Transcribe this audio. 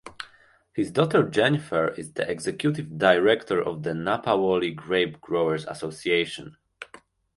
His daughter Jennifer is the executive director of the Napa Valley Grape Growers Association.